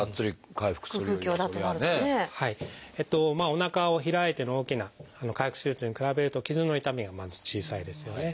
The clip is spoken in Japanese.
おなかを開いての大きな開腹手術に比べると傷の痛みがまず小さいですよね。